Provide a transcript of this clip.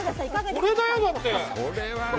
これだよ、だって！